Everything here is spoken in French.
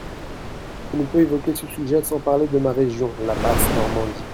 Je ne peux évoquer ce sujet sans parler de ma région, la Basse-Normandie.